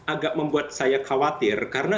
agak membuat saya khawatir karena